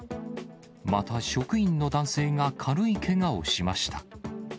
また職員の男性が軽いけがをしました。